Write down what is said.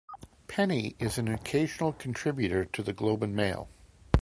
Penny is an occasional contributor to the "Globe and Mail".